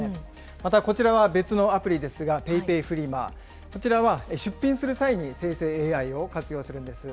またこちらは別のアプリですが、ＰａｙＰａｙフリマ、こちらは出品する際に生成ＡＩを活用するんです。